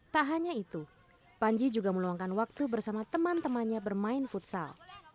tak hanya itu panji juga meluangkan waktu bersama teman temannya bermain futsal